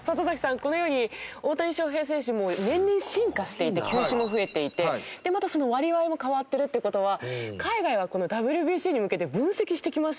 このように大谷翔平選手も年々進化していて球種も増えていてまたその割合も変わってるっていう事は海外はこのＷＢＣに向けて分析してきますよね。